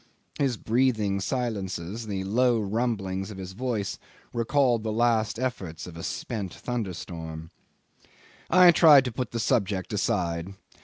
... His breathing silences, the low rumblings of his voice, recalled the last efforts of a spent thunderstorm. 'I tried to put the subject aside.